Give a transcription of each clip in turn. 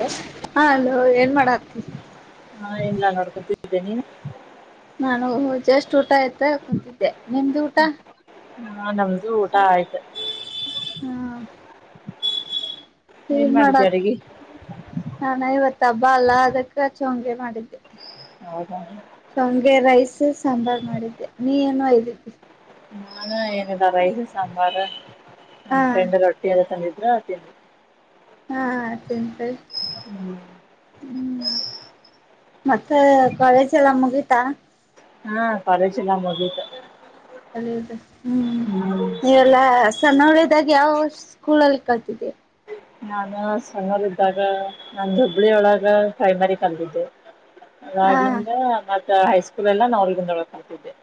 ಹ ಹಾ ಅಲೋ ಏನ್ ಮಾಡ ಆತಿ ಹಾ ಇಲ್ಲ ನೋಡ್ಕತ್ದನಿ ನಾನು ಜಷ್ಟ್ ಊಟ ಆಯ್ತ ಕುಂತಿದ್ದೆ ನಿಮ್ದು ಊಟ ಹಾ ನಮ್ದು ಊಟ ಆಯ್ತು ಈ ಏನ್ ಮಾಡಿದ್ದೆ ಮಾಡಕ ಅಡಗಿ ನಾನಾಯ ಇವತ್ ತಬ ಅಲ್ಲ ಅದಕ್ಕ ಹಚ್ಚು ಹಂಗೆ ಮಾಡಿದ್ದೆ ಹೌದ ಶೊಂಗೆ ರೈಸ್ ಸಾಂಬಾರ್ ಮಾಡಿದ್ದೆ ನೀ ಏನು ಇದಿದ್ದಿ ಹ ಏನಿಲ್ಲ ರೈಸ್ ಸಾಂಬಾರ್ ಹಾ ನಮ್ಮ್ ಫ್ರೆಂಡ್ ರೊಟ್ಟಿ ಎಲ್ಲ ತಂದಿದ್ರೆ ತಿ ಹಾ ಚಂತ ಹ್ಮ ಹ್ಮ್ ಮತ್ತೆ ಕಾಲೇಜ ಎಲ್ಲ ಮುಗಿತಾ ಹಾ ಪರಚಿಲ್ಲಾ ಮದಿತ ಅ ಹ್ಮ್ ನೀವೆಲ್ಲಾ ಸ ಸಣ್ಣವಳಿದ್ದಾಗ ಯಾವ ಸ್ಕೂಲ್ಲ್ಲಿ ಕಲ್ತಿದೀಯ ನಾನು ಸಣ್ಣೋರ್ ಇದ್ದಾಗ ನಂದು ಹುಬ್ಬಳ್ಳಿಯೊಳಗ ಪ್ರೈಮರಿ ಕಲ್ತಿದ್ದೆ ಹಾ ರಾಗಿಯಿಂದ ಮತ್ತ ಹೈಸ್ಕೂಲ್ ಎಲ್ಲ ನವಲಗುಂದ ಒಳಗ ಕಲ್ತಿದ್ದೆ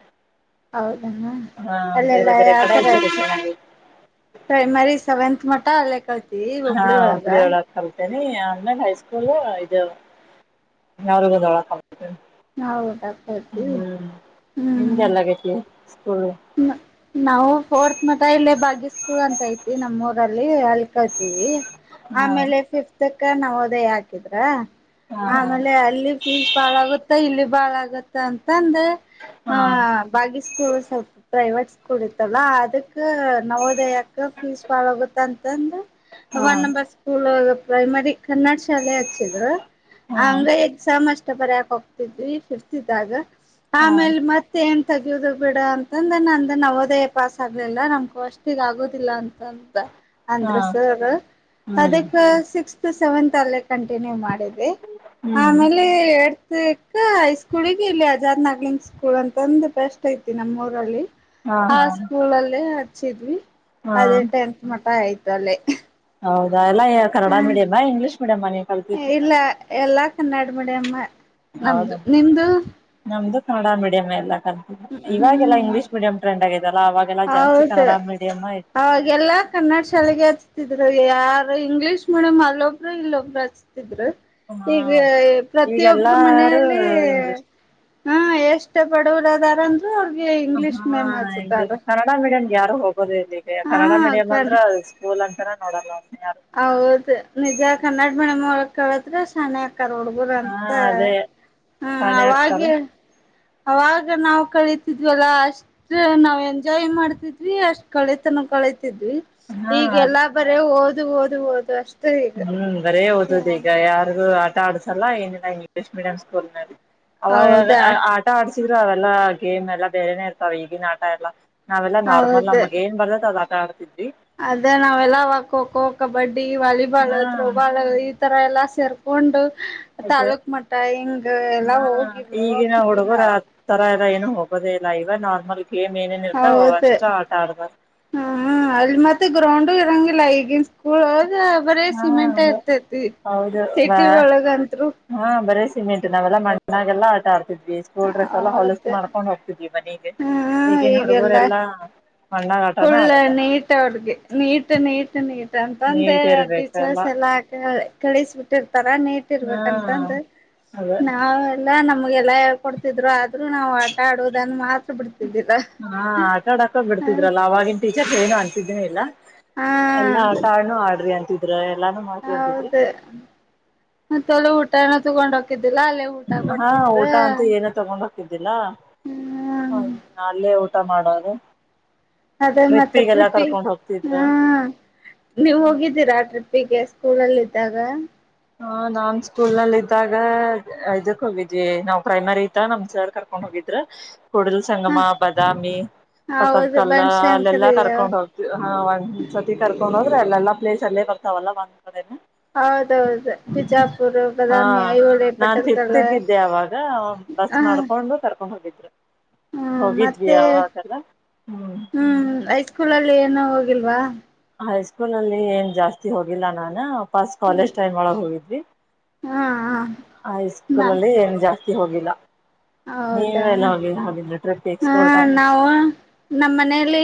ಹಾ ಅಲ್ಲೆಲ್ಲ ಬೇರೆ ಬೇರೆ ಕಡೆ ಯಾವ್ತರ ಎಜುಕೇಶನ್ ಆಗಿತ್ತು ಐತಿ ಮಳಿ ಸ ಸೆವೆಂತ್ ಮಟ ಅಲ್ಲೇಕಲ್ತೆ ಹಾ ಹುಬ್ಬಳಿ ಒಳಗೆ ಕಲ್ತೆ ಅಮಾಗ ಹೈಸ್ಕೂಲ್ ಇದು ಯ್ರಗಳಕ ಹೌದಾತತಿ ಹ್ಮ್ ನಿಮ್ದೆಲ್ಲಾಗೈತಿ ಸ್ಕೂಲ್ ಹ ನಾವು ಫೋರ್ತ್ ಮಠ ಇಲ್ಲೇ ಭಾಗ್ಯ ಸ್ಕೂಲ್ ಅಂತ ಐತಿ ಅಲ್ಲೇ ಕಲ್ತೇವಿ ಹಾ ಆಮೇಲೆ ಫಿಫ್ತ್ಕ್ಕ ನವೋದಯ ಹಾಕಿದ್ರ ಹಾ ಆಮೇಲೆ ಅಲ್ಲಿ ಫೀಸ್ ಬಾಳ ಆಗುತ್ತ ಇಲ್ಲಿ ಬಾಳ ಆಗುತ್ತ ಅಂತ. ಅಂದ್ ಆ ಹಾ ಬಾಗಿ ಸ್ಕೂಲ್ ಸ್ಲ್ಪ ಪ್ರೈವೇಟ್ ಸ್ಕೂಲ್ ಇತ್ತಲ್ಲ ಅದಕ್ ನವೋದಯಕ ಫೀಸ್ ಬಾಳಾಗುತ್ತಾ ಅಂತಂದ ಹಾ one number school primary Kannada ಶಾಲೆ ಆ ಸಿದ್ರ ಹಾ ಹಂಗ ಎಕ್ಸಾಮ್ ಅಷ್ಟ ಬರಯಕ ಹೋಗ್ತಿದ್ವಿ ಫಿಫ್ತ್ ಇದಾಗ ಹಾ ಆಮೇಲೆ ಮತ್ತೆ ಏನು ತೆಗೆಯುದ ಬಿಡ ತಂದ ನಂದ ನವೋದಯ ಪಾಸ್ ಆಗ್ಲಿಲ್ಲ ನಮ್ ಕಾಸ್ಟಿಕ್ ಆಗುವುದಿಲ್ಲ ಅಂತ ಅಂತ ಹಾ ಅಂದ್ರೆ ಸರ್ ಹ್ಮ್ ಅದಕ್ಕೆ ಸಿಕ್ಸ್ತ್ ಸೆವೆಂತ್ ಅಲ್ಲೆ ಕಂಟಿನ್ಯೂ ಮಾಡಿದೆ ಹ್ಮ್ ಆಮೇಲೆ ಏಟತ ಕ್ಕ ಹೈ ಸ್ಕೂಲ್ಗೆ ಇಲ್ಲಿ ಹಜಾರ್ನಗ್ಲಿನ್ ಸ್ಕೂಲ್ ಅಂತಂದ ಬೆಸ್ಟ್ ಐತಿ ಲ್ಲಿ ಹಾ ಆ ಹಾ ಸ್ಕೂಲ್ ಅಲ್ಲೇ ಹಚ್ಚಿದ್ವಿ ಹಾ ಅದೇ ಟೆಂತ್ ಮಠ ಆಯ್ತಿ ತಲೆೆ ಹೌದಾ ಎಲ್ಲಾ ಕನ್ನಡ ಮೀಡಿಯಂ ಇಂಗ್ಲಿಷ್ ಮಿಡಿಯಮ್ಮ ನೀವ್ ಕಲಿತಿದ್ದು ಇಲ್ಲ ಎಲ್ಲಾ ಕನ್ನಡ ಮೀಡಿಯಂ ಹೌದ ನಮ್ದು ನಿಮ್ದು ನಮ್ದು ಕನ್ನಡ ಮೀಡಿಯಂ ಎಲ್ಲ ಇವಾಗೆಲ್ಲಾ ಹ್ಮ್ ಇಂಗ್ಲಿಷ್ ಮೀಡಿಯಂ ಟ್ರೆಂಡ್ ಆಗಿದೆಲ್ಲ ಅವಾಗೆಲ್ಲ ಜಾಸ್ತಿ ಹೌದು ಕನ್ನಡ ಮೀಡಿಯಮ ಇತ್ತು ಅವಾಗೆಲ್ಲಾ ಕನ್ನಡ ಶಾಲೆಗೆ ಹಚ್ತಿದ್ರು ಯಾರು ಇಂಗ್ಲೀಷ್ ಮೀಡಿಯಂ ಅಲ್ಲೊಬ್ರು ಇನ್ನೊಬ್ರು ಹಚ್ಚ ತಿದ್ರ ಹಾ ಈಗ ಪ್ರತಿಯೊಬ್ಬರು ಈಗೆಲ್ಲಾರು ಮನೆಯಲ್ಲಿ ಇಂಗ್ಲಿಷ್ ಹ್ಮ ಎಷ್ಟ ಬಡವರ ಅದಾರ ಅಂದ್ರು ಅವ್ರಿಗೆ ಹಾ ಇಂಗ್ಲಿಷ್ ಮೇಮ್ ಹಚ್ಚತಾರ ಕನ್ನಡ ಮೀಡಿಯಂ ಯಾರು ಹೋಗೋದು ಇಲ್ಲಿಗೆ ಹಾ ಕನ್ನಡ ಮೀಡಿಯಂ ಅಂದ್ರ ಸ್ಕೂಲ್ ಅಂತಾನ ನೋಡಲ್ಲ ಯಾರು ಹೌದ ನಿಜ ಕನ್ನಡ ಮೀಡಿಯಂ ಒಳಗ್ ಕಳತ್ರ ಶಾನೆ ಆಗ್ ಕರ್ ಹುಡುಗರ ಹಾ ಅಂತ ಅದೇ ಹ ಶಾಣೆ ಅವಾಗ ಆಗ್ತಾರ ಅವಾಗ ನಾವ ಕಳಿತಿದ್ವಲ್ಲ ಅಷ್ಟ ನಾವ್ ಎಂಜಾಯ್ ಮಾಡ್ತಿದ್ವಿ ಅಷ್ಟ್ ಕಳಿತನ ಕಳಿತವಿ ತಿದ್ದವಿ ಹಾ ಈಗ ಅದೇ ಎಲ್ಲಾ ಬರೇ ಓದು ಓದು ಓದು ಅಷ್ಟೇ ಈಗ ಹ್ಮ್ ಬರೇ ಓದದ ಈಗ ಯಾರಿಗೂ ಆಟ ಆಡ್ಸಲ್ಲ ಏನಿಲ್ಲ ಇಂಗ್ಲಿಷ್ ಮೀಡಿಯಂ ಸ್ಕೂಲ್ ನಲ್ಲಿ ಅವಾಗ ಹೌದಾ ಆಟ ಆಡ್ಸಿದ್ರು ಅವೆಲ್ಲ ಗೇಮ್ ಎಲ್ಲ ಬೇರೆನೆೇ ಇರ್ತಾವ ಈಗಿನ ಆಟ ಎಲ್ಲ ನಾವೆಲ್ಲಾ ನಾರ್ಮಲ್ ನಮಗ ಏನ್ ಬರ್ತಾದ ನಾವ ಆಟ ಆಡ್ತಿದ್ವಿ ಅದ ನಾವೆಲ್ಲ ಅವಾಗ್ ಖೋಖೋ ಕಬಡ್ಡಿ ವಾಲಿಬಾಲ್ ಹಾ ತ್ರ್ರೋಬಾಲ್ ಇ ಈ ತರ ಎಲ್ಲಾ ಸೇರ್ಕೊಂಡ ಅದೇ ತಾಲೂಕ್ ಮಟ್ಟ ಹಿಂಗ್ ಎಲ್ಲಾ ಹಾ ಹೋಗಿ ಈಗಿನ ಹೋಕಿದ್ವಿ ಹುಡುಗರ ನಾವು ಆ ತರ ಏನು ಹೋಗೋದೇ ಇಲ್ಲ ಇವ ನಾರ್ಮಲ್ ಗೇಮ್ ಏನೇನ್ ಇರ್ತಾವ ಹೌದ ಅಷ್ಟ ಆಟ ಆಡ್ತಾರ ಹ್ಮ್ಮ ಅಲ್ಲಿ ಮತ್ತೆ ಗ್ರೌಂಡ್ ಏನು ಇರೋಂಗಿಲ್ಲ ಈಗಿನ ಸ್ಕೂಲ್ ಬರೀ ಹಾ ಸಿಮೆಂಟ್ ಅದೇ ಇರ್ತೇತಿ ಹೌದು ಬ ಸಿಟಿ ಒಳಗಂತ್ರು ಹಾ ಬರೀ ಸಿಮೆಂಟ್ ನಾವೆ ಮಣ್ಣಾಗೆಲ್ಲ ಆಟ ಆಡ್ತಿದ್ದವಿ ಸ್ಕೂಲ್ ಡ್ರೆಸ್ ಎಲ್ಲ ಹೊಲಸ್ ಆತ್ತೆ ಮಾಡ್ಕೊಂಡ್ ಹೋಗ್ತಿದ್ವಿ ಮನೆಗೆ ಹ್ಮ್ ಈಗನ್ ಈಗೆಲ್ಲ ಹುಡುಗರೆಲ್ಲಾ ಮಣ್ಣಾಗ ಆಟಾನ ಫುಲ್ ಆಡಲ್ಲ ನೀಟ್ ಅವ್ರ್ಗೆ ನೀಟ್ ನೀಟ್ ನೀಟ್ ಬಂದ ನೀಟ್ ಇರ್ಬೇಕಲ್ಲ ಟೀಚರ್ಸ್ ಎಲ್ಲಾ ಕಳಿಸಬಿಟ್ಟಿ ತರ ನೀಟ್ ಹಾ ಇರ್ಬೇಕಂತಂದ ಅದ ನಾವೆಲ್ಲಾ ನಮ್ಮ ನಮಗೆಲ್ಲಾ ಹೇಳ್ಕೊಡ್ತಿದ್ರು ಆದ್ರೂ ನಾವು ಆಟ ಆಡೋದನ್ನು ಮಾತ್ರ ಬಿಡ್ತಿದ್ದೀರ ಬಿಡ್ತಿದ್ರಲ್ಲ ಟೀಚರ್ ಏನು ಅಂತಿದ್ದನಿ ಇಲ್ಲ ಹಾ ಎಲ್ಲಾ ಆ ಕಾಡ್ ಆಡ್ರಿ ಅಂತಿದ್ರ ಎಲ್ಲಾನು ಮಾಡ್ರಿ ಅಂತಿದ್ರ ಹೌದ ಮತ್ತೊಲ ಊಟನ ತಗೊಂಡ್ ಹೋಗಿದ್ದ ಹಾ ಊಟ ಅಂತೂ ಏನ ತಗೊಂಡ್ ಹೋಗ್ತಿದ್ದಿಲ್ಲ ಹ ಹ್ಮ್ ಅಲ್ಲೇ ಊಟ ಮಾಡೋದು ಅದೇ ಮತ್ತೆ ಟ್ರಿಪ್ಪಿಗೆಲ್ಲಾ ಟ್ರಿಪಿ ಕರ್ಕೊಂಡ್ ಹೋಗ್ತಿದ್ರ ಹಾ ನೀವ್ ಹೋಗಿದ್ದೀರಾ ಆ ಟ್ರಿಪಿ ಹೀಗೆ ಸ್ಕೂಲಲ್ಲ ಇದ್ದಾಗ ಹ ನಾನ್ ಸ್ಕೂಲ್ ನಲ್ಲಿ ಇದ್ದಾಗ ಇದಕ್ ಹೋಗಿದ್ವಿ ನಾವ್ ಪ್ರೈಮರಿ ಇದತ್ತ ನಮ ಸರ್ ಕರ್ಕೊಂಡ್ ಹೋಗ್ವಿ ಹಿದ್ರ ಕೊಡಲ ಹ ಸಂಗಮ ಬಾದಾಮಿ ಪಟ್ಟದ ಹೌದು ಕಲ್ಲ ಅಲ್ಲೆಲ್ಲಾ ಬನಶಂಕರಿ ಕರ್ಕೊಂಡ್ ಹೋಗ್ತವಿ ಒಂದ್ಸರ್ತಿ ಕರ್ಕೊಂಡ್ ಹೋಗ್ ಎಲ್ಲ ಪ್ಲೇಸ್ ಅಲ್ಲೇ ಬರ್ತಾವಲ್ಲಾ ಹೌದೌದು ಬಿಜಾಪುರ್ ಹಾ ಬಾದಾಮಿ ಐಹೊಳೆ ನಾನ್ ಪಟ್ಟದಕಲ್ಲ ತಿರ್ತಿಕ್ಕಿದ್ದೆ ಅವಾಗ ಬ ಹ ನಡ್ಕೊಂಡು ಕರ್ಕೊಂಡ್ ಹೋಗಿದ್ರು ಹ್ಮ ಹೋಗಿದ್ವಿ ಮತ್ತೆ ಯಾಗಲ್ಲ ಹ್ಮ್ ಸ್ಕೂಲಲ್ಲಿ ಏನೋ ಹೋಗಿಲ್ವಾ ಹೈಸ್ಕೂಲ್ ಅಲ್ಲಿ ಏನ್ ಜಾಸ್ತಿ ಹೋಗಿಲ್ಲ ನಾನು ಪಾಸ್ ಕಾಲೇಜ್ ಟೈಮ್ ಒಳಗೆ ಹೋಗಿದ್ವಿ ಹಾ ಹಾ ಹೈ ಸ್ಕೂಲ ನಾ ಅಲ್ಲಿ ಏನ್ ಜಾಸ್ತಿ ಹೋಗಿಲ್ಲ ನೀವೆಲ್ಲ ಹೌದಾ ಹೋಗಿಲ್ಲ ಹಿಲ್ಲ ಟ್ರಿಪ್ ಎಕ್ಸ್ಕೊಳ್ತಾ ಇಲ್ಲ ನಮ್ಮ ಮನೇಲಿ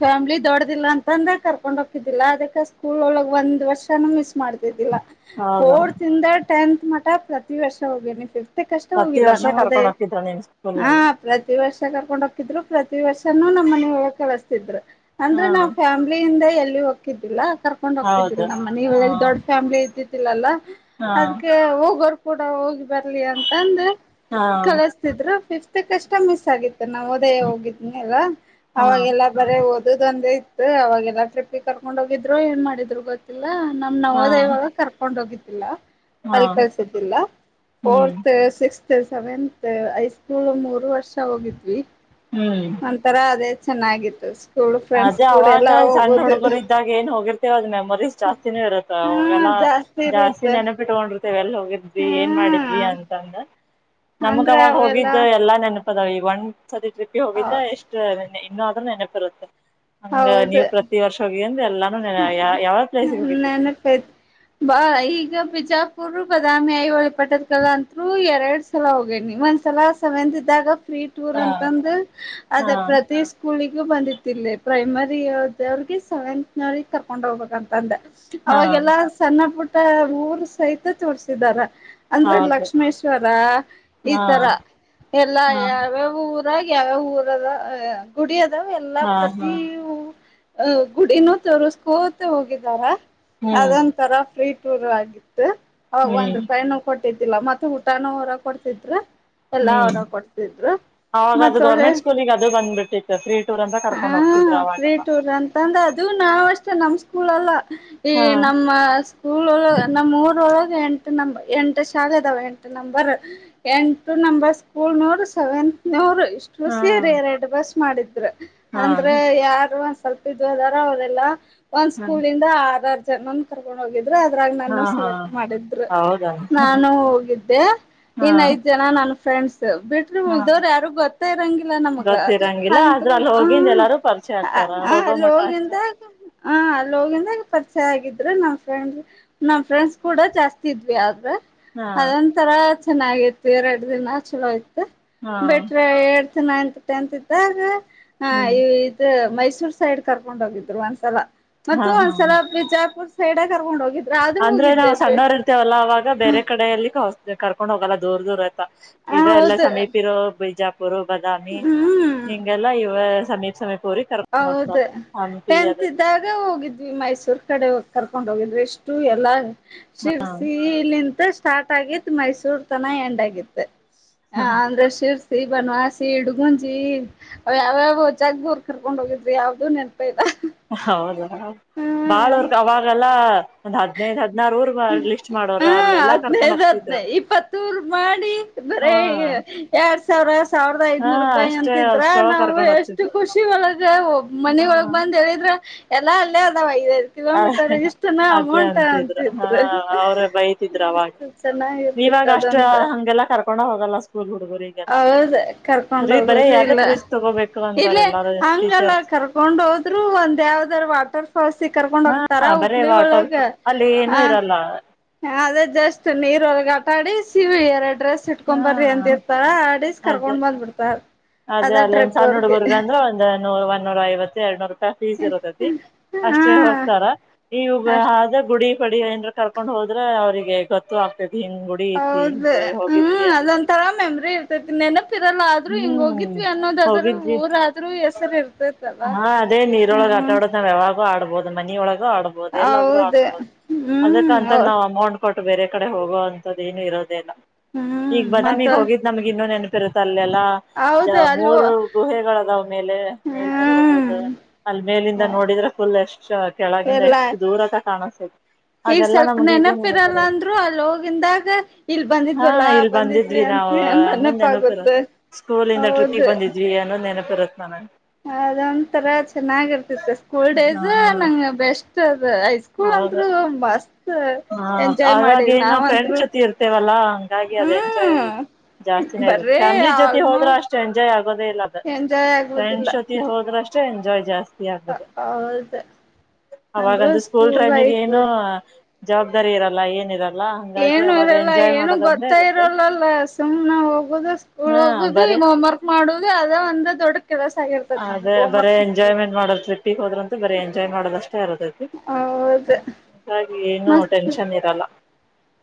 ಫ್ಯಾಮ್ಲಿ ದೊಡ್ಡ್ದಿಲ್ಲ ಅಂತಂದ್ರೆ ಕರ್ಕೊಂಡ ಹೋಗ್ಘದ್ದಿಲ್ಲ ಅದಕ್ಕೆ ಸ್ಕೂಲ್ ಒಳಗೆ ಒಂದು ವರ್ಷ ಮಿಸ್ ಮಾಡ್ತಿದ್ದಿಲ್ಲ ಹೌದಾ ಫೋರ್ತ್ ಇಂದ ಟೆಂತ್ ಮಠ ಪ್ರತಿ ವರ್ಷ ಹೋಗನೆ ಫಿಫ್ತ್ ಕ್ ಪ್ರತಿ ಅಷ್ಟಹೋಗಿಲ್ಲ ವರ್ಷ ನವೋದಯ [inaudible] ಹಾ ಪ್ರತಿ ವರ್ಷ ಕರ್ಕೊಂಡ್ ಹೋಗಿದ್ರು ಪ್ರತಿ ವರ್ಷನೂ ನಮ್ಮ್ ಮನ ಒಳ ಕಳಸ್ತಿದ್ರು ಅಂದ್ರ ಹಾ ನಾವು ಫ್ಯಾಮ್ಲಿಯಿಂದ ಎಲ್ಲಿ ಹೋಗಕ್ಕಿದ್ದಿಲ್ಲ ಕರ್ಕೊಂಡ್ ಹೋಗತಿದಲ್ ಹೌದು ನಮ್ ಹಾ ಮನಿಯೊಳಗ ದೊಡ್ ಫ್ಯಾಮಿಲಿ ಇದ್ದಿದ್ದಿಲ್ಲಲ್ಲಾ ಹಾ ಅದ್ಕೆ ಹೋಗೋರು ಕೂಡ ಹೋಗಿ ಬರ್ಲಿ ಅಂತಂದ ಹಾ ಕಳಸ್ತಿದ್ರು ಫೀಫೀತ್ ಮಗ ಮಿಸ್ ಆಗಿತ್ತು ನವೋಧಯ ಹೋಗಿದ್ನಲ್ಲ ಹಾ ಅವಾಗೆಲ್ಲಾ ಬರೇ ಓದುದು ಒಂದೆ ಅವಾಗೆಲ್ಲಾ ಟ್ರಿಪಿಗ್ ಕರ್ಕೊಂಡ್ ಹೋಗಿದ್ರು ಏನ್ ಮಾಡಿದ್ರು ಗೊತ್ತಿಲ್ಲ ನಮ್ ಹಾ ನವೋದ ಇವಾಗ ಕರ್ಕೊಂಡ್ ಹೋಗಿದ್ರು ಹಾ ಅಲ್ಲಿ ಕಳ್ಸುದಿಲ್ಲ ಹ್ಮ್ ಫೋರ್ತ್ ಸಿಕ್ಸ್ತ್ ಸೆವೆಂತ್ ಐ ಸ್ಕೂಲ್ ಮೂರು ವರ್ಷ ಹೋಗಿದ್ವಿ ಹ್ಮ್ ಒಂತರ ಅದೇ ಚೆನ್ನಾಗಿತ್ತು ಸ್ಕೂಲ್ ಫ್ರೆಂಡ್ಸ್ ಅದೇ ಕೂಡ ಅವಾಗ ಎಲ್ಲಾ ಸಣ್ಣ ಹೋಗೋದು ಹುಡುಗರು ಇದ್ದಾಗ ಏನ್ ಹೋಗಿರ್ತಾರೆ ಮೆಮೊರೀಸ್ ಜಾಸ್ತಿನೂ ಇರುತ್ತೆ ಹ್ಮ ಅವಗೆಲ್ಲ ಜಾಸ್ತಿ ಇರುತ್ತೆ ನೆನಪಿಟ್ಕೊಂಡ್ರ್ ಎಲ್ಲ್ ಹೋಗಿದ್ವಿ ಏನ್ ಹ್ಮ ಮಾಡಿದ್ವಿ ಅಂತಂದ ನಮಗ ಅಂದ್ರ ಅವಾಗ ಅವೆಲ್ಲ ಹೋಗಿದ್ದು ಎಲ್ಲಾ ನೆನ್ಪ್ ನಾವ್ ಒಂದ್ಸತಿ ಟ್ರಿಪಿಗ್ ಹೋಗಿದ್ದ ಎಷ್ಟು ಇನ್ನೂ ಆದ್ರೂ ನೆನಪಿರುತ್ತೆ ಹಂಗ ನೀವ್ ಪ್ರತಿ ವರ್ಷ ಹೋಗಿಯೆನ್ ಹ ನೆನಪೈತಿ ಬಾ ಈಗ ಬಿಜಾ ಕುರು ಬದಾಮಿ ಐ ಹೊಳಿ ಪಟ್ಟದ ಕಲ್ಲ ಅಂತರು ಎರಡು ಸಲ ಹೋಗೇನಿ ಒಂದ್ಸಲ ಸವೆಂತ್ ಇದ್ದಾಗ ಫ್ರೀ ಟೂರ್ ಹಾ ಅಂತಂದ್ರ ಅದ ಹಾ ಪ್ರತಿ ಸ್ಕೂಲಿಗೆ ನಮಗೂ ಬಂದಿತ್ತಲ್ಲಿ ಪ್ರೈಮರಿದ ಅವ್ರಿಗೆ ಸೆವೆಂತ್ ನವ್ರಿಗೆ ಕರ್ಕೊಂಡ್ ಹೋಗ್ಬೇಕ ಅಂತ ಅಂದ ಹಾ ಅವಾಗೆಲ್ಲ ಸಣ್ಣ ಪುಟ್ಟ ಊರ್ ಸಹಿತ ತೋರ್ಸಿದಾರ ಅಂದ್ರೆ ಹೌದು ಲಕ್ಷ್ಮೇಶ್ವರ ಈ ಹಾ ತರ ಎಲ್ಲಾ ಹಾ ಯಾವ್ಯಾವ್ ಊರ್ ಯಾವ ಊರದ ಗುಡಿ ಅದಾವ ಎಲ್ಲಾ ಹಾ ಹಾ ಪ್ರತಿ ಗುಡಿನೂ [inaudible] ಹೋಗಿದಾರ ಅದ್ ಹ್ಮ್ ಒಂದ್ ತರ ಫ್ರೀ ಟೂರ್ ಆಗಿತ್ತು ಅವಾಗ್ ಹ್ಮ್ ಒಂದ್ರುಪಾಯಿನು ಕೊಟಿತಿತಲ್ಲ ಮತ್ತ ಊಟನ ಹೊರ ಕೊಡ್ತಿದ್ರ ಎಲ್ಲಾ ಹ್ಮ್ ಅವರ ಕೊಡ್ತಿದ್ರು ಅವಾಗ ಅದು ಮತ್ತೊಳ್ಳೆ ಗೌರ್ಮೆಂಟ್ ಸ್ಕೂಲಿಗೆ ಅದು ಬಂದ್ಬಿಟ್ಟಿತ್ತು ತ್ರ್ರೀ ಟೂರ್ ಅಂತ ಹಾ ಕರ್ಕೊಂಡ್ ಹೋಗ್ತಿದ್ರು ಅವಾಗೆಲ್ಲ ನಾವ ಅಷ್ಟೇ ನಮ್ ಸ್ಕೂಲ್ಲ್ಲ ಈ ಹಾ ನಮ್ಮ ಸ್ಕೂಲ್ ಒಳ ನಮ್ಮ್ ಊರ ಒಳಗೆ ಎಂಟು ನರ್ ಎಂಟು ಶಾಲೆ ಅದಾವ ಎಂಟು ನಂಬರ್ ಎಂಟು ನಂಬರ್ ಸ್ಕೂಲ್ ನೂರು ಸೆವೆನ್. ಇವ್ರ ಇಷ್ಟು ಹಾ ಖುಷಿ ರೆಡ್ ಬಸ್ ಮಾಡಿದ್ರ ಹಾ ಅಂದ್ರೆ ಯಾರು ಒಂದ್ ಸ್ವಲ್ಪ ಇದ. ಅವ್ರೆಲ್ಲ ಒಂದ್ ಹಾ ಸ್ಕೂಲ್ಂದ ಆರರ್ ಜನ ಕರ್ಕೊಂಡ್ ಹೋಗಿದ ಅದ್ರಾಗ ಹಾ ನಾನು ಹಾ ಸೆಲೆಕ್ಟ್ ಮಾಡಿದ್ರು. ಹೌದಾ ನಾನು ಹೋಗಿದ್ದೆ ಹಾ ಇನ್ ಐದ್ ಜನ ನನ್. ಫ್ರೆಂಡ್ಸ್ ಬಿಟ್ರಿ ಹಾ ಉಳದವ್ರ ಯಾರು ಗೊತ್ತ ಇರಂಗಿಲ್ಲ ನಮಗ ಗೊತ್ತಿರಂಗಿಲ್ಲ ಆದ್ರ ಅಂತರು ಅಲ್ಲಿ ಹ. ಹೋಗಿಂದ ಎಲ್ಲಾರು ಪರಿಚಯ ಆಗ್ತಾರ ಹಾ ಹೋಗೋ ಅಲ್ಲಿ ಮಟ್ಟ ಅಷ್ಟೆ ಹೋಗಿಲ್ದ. ಹಾ ಅಲ್ಲಿ ಹೋಗಿಂದಾಗ ಪರಿಚಯ ಆಗಿದ್ರೆ ನಮ್ ಫ್ರಂಡ್ ನಮ್ ಫ್ರೆಂಡ್ಸ್ ಕೂಡ ಜಾಸ್ತಿ ಇದ್ವಿ ಆದ್ರೆ ಹಾ ಅದೊಂತರ ಚೆನ್ನಾಗಿತ್ತು ಎರಡು ದಿನ ಚಲೋ ಇತ್ತು ಹಾ ಬಿಟ್ರೆ ಎ ನೈತ್ ಟೆಂತ್ ಇದ್ದಾಗ ಹ್ಮ್ ಇದು ಮೈಸೂರ್ ಸೈಡ್ ಕರ್ಕೊಂಡ್ ಹೋಗಿದ್ದ್. ಒಂದ್ಸಲ ಹಾ ಮತ್ತು ಹಾ ಒಂದ್ಸಲ ಬಿಜಾಪುರ್ ಸೈಡೇ ಕರ್ಕೊಂಡ್ ಹೋಗಿದರು. ಅಂದ್ರೆ ನಾವವು ಸಣ್ಣವರ್ ಇರ್ತೇವಲ್ಲ ಅವಾಗ ಬೇರೆ ಕಡೆಯಲ್ಲಿ ಕರ್ಕೊಂಡ್ ಹೋಗಲ್ಲ ದೂರ್ ದೂರ್ ಆಯ್ತಾ. ಹ ಇದು ಎಲ್ಲ ಹೌದು ಸಮೀಪ ಇರೋ ಬಿಜಾಪುರ್ ಬಾದಾಮಿ ಹ್ಮ್ ಹಿಂಗೆಲ್ಲ ಇವೆ [inaudible] ಹೌದ ಟೆಂತ್ ಇದ್ದಾಗ ಹೋಗಿದ್ವಿ ಮೈಸೂರ್ ಕಡೆ ಹೋಗ್. ಕರ್ಕೊಂಡ್ ಹೋಗಿದ್ರೆ ಇಷ್ಟು ಎಲ್ಲಾ ಶಿರ್ಸಿ ಇಲಿಂತ. ಸ್ಟಾರ್ಟ್ ಆಗಿತ್ ಮೈಸೂರ್ ತನ ಎಂಡ್ ಆಗಿತ್ತ ಅಂದ್ರೆ ಶಿವ್. [inaudible] ಬನವಾಸಿ ಇಡುಗುಂಚಿ ಅವ್ಯವೋ ಜಗ್ಗುರ್. ಕರ್ಕೊಂಡ್ ಹೋಗಿದ್ರಿ ಯಾವ್ದು ನೆನಪೆ ಇಲ್ಲ. ಹೌದಾ ಹ್ಮ್ ಬಾಳವರ್ಕ್ ಅವಾಗಲ್ಲ ಒಂದ್ ಹದ್ನೈದ್ ಹದ್. ಹಾ ಕರ್ಕೊಂಡ್ ಹದ್ನೈದು ಹೋಗ್ತಿದ್ರು ಹದ್ನೈ ಇಪ್ಪತೂರ್ ಮಾಡಿ ಹಾ ಬರೆ. [inaudible] ಸಾವಿರದ ಹಾ ಐದ್ನೂರ್ ರೂಪಾಯಿ ಅಷ್ಟೇ ಅಂತಿದ್ರ ಅಷ್ಟ್ರೊಳಗ್ ನಾವಗ ಕರ್ಕೊಂಡ್ ಎಷ್ಟು ಹೋಗ್ತಿದ್ರು ಖುಷಿ ಒಳಗ ಒಬ್ ಮನಿೊಳಗ್ ಬಂದ್ ಹೇಳಿದ್ರ. ಎಲ್ಲಾ ಅಲ್ಲೇ ಅದಾವ ಐೈದು ಹಾ ಕಿಲೋಮೀಟರ್ ಇಷ್ಟನಾ ಅದೇ ಅಮೌಂಟನ್. ಅಂತಿದ್ರು ಹಾ ಅವ್ರ ಬೈತಿದ್ರ ಅವಾಗ ಮಸ್ತ್ು ಚೆನ್ನಾಗಿರ್ತತ್ ಅದಂ. ತಕೊಂಡ ಹೋಗಲ್ಲ. ಸ್ಕೂಲ್ ಹುಡುಗರುಗಲ್ಲ ಕರ್ಕೊಂಡ್ ರೀ ಬರೇ ಹೋಗೋದು ಯಾವ್ದ ಇಲ್ಲ ಕ್ರಿಸಸ್ತ ತಗೋಬೇಕು ಅಂತಾರೆ ಇಲ್ಲೇ ಎಲ್ಲಾರ ಹಂಗಲ್ಲ ಟೀಚರ್ಸ್ ಕರ್ಕೊಂಡ್ ಹೋದ್ರು ಒಂದ್ ಯಾವ್ದಾರ ವಾಟರ್. ಹಸಿ ಕರ್ಕೊಂಡ್ ಹೋಗ್ತಾರ ಹಾ ಬರೇ ಹುಬ್ಳ ವಾಟರ್ ಒಳಗ ಅಲ್ಲಿ ಏನು ಆ. ಇರಲ್ಲ ಅದೇ ಜಸ್ಟ್ ನೀರೊರ್ಗ ಆಟಾಡಿ ಸಿವು ಎರಡು. ಡ್ರೆಸ್ ಇಟ್ಕೊ್ ಹಾ ಬರ್ರಿ ಅಂದಿರ್ತಾರ ಆ ಅಡೀಸ್ ಅದ ಕರ್ಕೊಂಡ್ ಬಂದ್ಬಿಡ್ತಾರ. ಅದೇ ಅಲ್ಲೇ ಸಣ್ಣ ಹುಡುಗುಗಂದ್ರ ಒಂದು ಒನ್ನೂರ ಐವತ್ತು ಎರಡ್ನೂರು. ಫಸ್ ಇರತಿ ಹಾ ಅಷ್ಟೇ ಹೋಗ್ತಾರ ಇ ಅಷ್ಟ ಆದ ಗುಡಿ. ಬಳ ಏನರು ಕರ್ಕೊಂಡ್ ಹೋದ್ರ ಅವ್ರರಿಗೆ ಗೊತ್ತು ಆಗ್ತತಿ. ಹೌದ ಹ್ಮ್ ಅಂತ ಅದೊಂತರಾ ಮೆಮ್ರರಿ ಇರ್ತೇ ತಿನ್ನೇನ. ರಲ್ಲ ಆದ್ರೂ ಹಿಂಗ ಹ್ಮ್ ಹೋಗಿದವಿ ಅನ್ನೋದಾದ್ರೂ ಹೋಗಿದ್ವಿ ಊರಾದ್ರೂ ಹೆಸರಿ ಇರ್ತತ್ತಲ್ಲ ಹ್ಮ. ಅಟಾಡ ಯಾವಾಗೂ ಆಡಬಹುದು ಮನ ಒಳಗ. ಆಡ್ಬಹುದು ಎಲ್ಲಾದ್ರೂ ಹೌದು ಆಡಬಹುದು ಅದಕ್ಕಂತ ಹ್ಮ್ ನಾ್ ಅಮೌಂಟ್. ಕೊಟ್ಟು ಬೇರೆ ಕಡೆ ಹೋಗೋ ಅಂತದ ಏನು ಇರೋದೇ ಇಲ್ಲ ಈಗ ಹ್ಮ್ ಮತ್ತ ಬದಾಮಿಗೆ ಹೋಗಿದ್ದ್ ನಮ್ಗೆ ಇನ್ನೂ ನೆನಪ. ಹೌದು ಅಲ್ವ ರು ಗುಹೆಗಳ ಅದ ಮೇಲೆ ಮೇಲ್ ಮೇಲ್ ಹ್ಮ್ ಹೋಗೋುದು ಅಲ್ಲಿ ಮೇಲಿಂದ. ನೋಡಿದ್ರೆ ಫುಲ್ ಎಷ್ಟ್ ಕೆಳಗಿಂದ ಎಲ್ಲ ಎಷ್ಟು ದೂರತ್ತ ಕಾಣ. ಈಗ ಸ್ವಲ್ಪ ನೆನಪಿರಲ್ಲ ಅಂದ್ರು ಅಲ್ಲಿ ಹೋಗಿಂದಾಗ ಇಲ್ ಹಾ ಬಂದಿದ್ವಲ್ಲ ಇಲ್ ಬಂದಿದ್ವಿ. ನ್ಸನ್ ನೆನಪಾಗುತ್ತೆ. ಸ್ಕೂಲ್ಂದ ತೃತಿಗ್ ಬಂದಿದ್ವಿ ಅನ್ನೋದ್ ನೆನಪಿರತ್ ನ ನಗೆ- ಅದೊಂಂತರ ಚೆನ್ನಾಗಿರ್ತಿತ್ತು ಸ್ಕೂಲ್ ಡೇಸ್ ಹಾ ನಂಗ ಬೆಸ್ಟ್. ಹೈಸ್ಕೂಲ್ ಹೌದು ಅಂದರು ಮಸ್ತ್ ಹಾ ಎಂಜಾಯ್ ಮಾಡವ್ ನಾವಂತ್ರು ಹಾಗಿ ಅದು ಎಂಜಾಯ್ ಹ್ಮ್ ಜಾಸ್ತಿನೇ ಬರ್ರೇ ಫ್ಯಾಮಿಲಿ ಜೊತೆ ಹೋದ್ರೆ ಆಲ್ಮೋಸ್ಟ್ ಅಷ್ಟು ಎಂಜಾಯ್ ಆಗೆ. ದೇ ಇಲ್ಲ ಅ ಎಂಜಾಯ್ ಸಣ್ ಆಗುದಿಲ್ಲ ಸತಿ ಹೋದ್ರಷ್ಟೇ. ಆಗ್ಬದು ಹೌದು ಅಂದ್ರೂ ಅವಾಗಂದ ಸ್ಕೂಲ್ ಟ್ರೈಮಿಗೆ ಲೈಫ್ ಏನು. ಜವಾಬ್ದಾರಿ ಇರಲ್ಲ ಏನಿರಲ್ಲ. ಹಂಗಾಗಿ ಏನು ಅವಾಗ ಇರಲ್ಲ ಎಂಜಾಯ್ ಏನು ಮಾಡೋದಂದ್ರೆ ಗೊತ್ತ ಇರುತ್ತೆ ಇರೋಲ್ಲಲ್ಲ ಸುಮ್ನೆ ಹೋಗುದು ಸ್ಕೂಲ್ ಹಾ ಹೋಗುದು ಬರೇ ಇವ್ ಹೋಮ್ ವರ್ಕ್ ಮಾಡುದು ಅದ ಒಂದ ದೊಡ್ಡ ಕೆಲಸ ಆಗಿರ್ತೈತ್ ಅದೇ ನಮಗ್ ಹೋಮ್ ಬರೇ ವರ್ಕ್ ಮಾಡೋದು ಎಂಜಾಯ್ಮೆಂಟ್ ಮಾಡೋದ ಟ್ರಿಪ್ಪಿಗೆ ಹೋದ್ರಂತೂ ಬರೀ ಎಂಜಾಯ್ ಮಾಡದಷ್ ಇಷ್ಟ [unintelligible] ಹೌದು ಹಾಗಾಗಿ ಏನು ಟೆನ್ಷನ್ ಇರಲ್ಲ.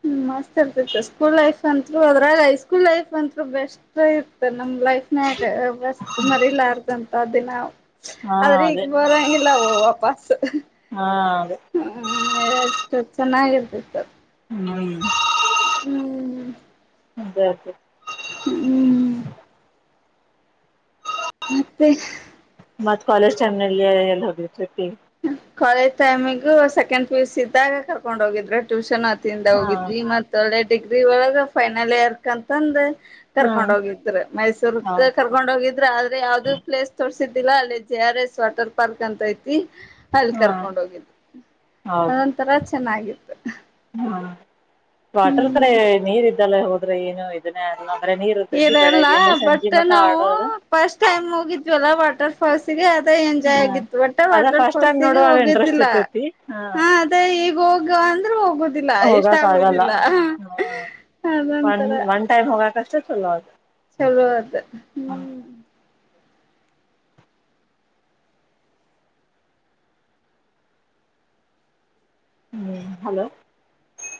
ಹ್ಮು ಮಸ್ತ್ ಇರತೈತಿ ಸ್ಕೂಲ್ ಲೈಫ್ ಅಂತ್ಲು ಅದ್ರಾಗ ಐಸ್ಕೂಲ್ ಲೈಫ್ ಅಂತರು ಬೆಸ್ಟ್ ಇರ್ತದ್ ನಮ್ಮ್ ಲೈಫ್ನ ಯಾಕ್ ಮಸ್ತ್ ಮರಿಲಾರ್ದಂತ ದಿನ. ಹಾ ಆದ್ರ ಅದೇ ಈಗ ಬರಂಗಿಲ್ಲ ವಾ ವಾಪಸ್ಸ್. ಹಾ ಅದೇ ಹ್ಮು ಎಷ್ಟು ಚೆನ್ನಾಗಿರ್ತಿತ್ತು. ಹ್ಮು ಹ್ಮ್ ಅದೇ ಅದೇ. ಹ್ಮ್ ಮತ್ತೆ ಮತ್ತ ಕಾಲೇಜ್ ಟೈಮ್ನಲ್ಲಿ ಎಲ್ಲಿ ಹೋಗಿರಿ ಟ್ರಿಪ್ಪಿಗಿ. ಕಾಲೇಜ್ ಟೈಮಿಗು ಸೆಕೆಂಡ್ ಪಿ-ಯು-ಸಿ ಇದ್ದಾಗ ಕರ್ಕೊಂಡ್ ಹೋಗಿದ್ರ ಟ್ಯೂಷನ್ ಆ ಇವತ್ತಿಂದ ಹಾ ಹೋಗಿದ್ವಿ ಈಗ ಮತ್ತ ಒಳ್ಳೆ ಡಿಗ್ರಿ ಒಳಗ ಫೈನಲ್ ಇಯರ್ಕ್ ಅಂತಂದ ಹಾ ಕರ್ಕೊಂಡ್ ಹೋಗಿದ್ರ ಮೈಸೂರ್ಕ್ ಹೌದು ಕರ್ಕೊಂಡ್ ಹೋಗಿದ್ರ ಆದ್ರೆ ಯಾವ್ದೂ ಪ್ಲೇಸ್ ತೋರ್ಸ್ ತ್ತಿದ್ದಿಲ್ಲ ಅಲ್ಲಿ ಜೆ-ಆರ್-ಎಸ್ ವಾಟರ್ ಪಾರ್ಕ್ ಅಂತ ಐತಿ. ಅಲ್ಲಿ ಹಾ ಕರ್ಕೊಂಡ್ ಹೋಗಿದ್ದು ಹೌದು ಅದೊಂತರ ಚೆನ್ನಾಗಿ ಹಾ ವಾಟರ್ ಕಡೆ ಹ್ಮ್ ನೀರ್ ಇದ್ದಲ್ಲ ಹೋದ್ರೆ ಏನು ಇದನ್ನೆ [unintelligible] ಇವರೆಲ್ಲ [unintelligible] ನಾವು ಆಡೋದು ಫಸ್ಟ್ ಟೈಮ್ ಹೋಗಿದ್ವಲ್ಲ ವಾಟರ್ಫಾಲ್ಸ್ಗೆ ತ್ತೆ ಎಂಜಾಯ್ ಹಾ ಆಗಿತ್ತು ವಟ್ಟ ಅದ ಫಸ್ಟ್ ಟೈಮ್ ವಾಟರ್ಫಾಲ್ಸಿಗು ನೋಡುವಾಗ ಇಂಟ್ರೆಸ್ಟ್ ಹೋಗುದಿಲ್ಲ ಇರ್ತೈತಿ ಹ ಅದೇ ಈಗ ಹೋಗೋ ಅಂದ್ರೂ ಹೋಗೋದಿಲ್ಲ ಇಷ್ಟ ಹೋಗಕ್ ಆಗಲ್ಲ ಆಗೋದಿಲ್ಲ ಒನ್ ಅದಂತರ. ಒನ್ ಟೈಮ್ ಹೋಗಕಷ್ಟೇ ಚಲೋ ಆತ್. ಚಲೋ ಆತ್ ಹ್ಮು. ಹ್ಮು ಹಲೋ.